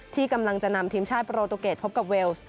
ที่กำลังจะนำทีมชาติโปรตูเกตพบกับเวลส์